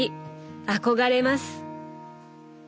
憧れます。